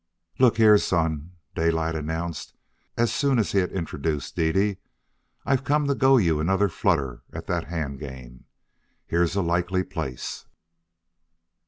"Look here, son," Daylight announced, as soon as he had introduced Dede, "I've come to go you another flutter at that hand game. Here's a likely place."